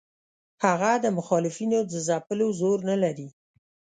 هغه د مخالفینو د ځپلو زور نه لري.